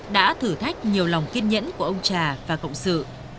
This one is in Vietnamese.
đã thử thách nhiều lòng kiên nhẫn của ông trà và cộng sự